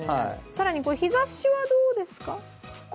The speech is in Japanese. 更に日ざしはどうですか？